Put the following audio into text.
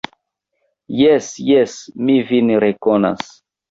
Jes, jes, mi vin rekonas!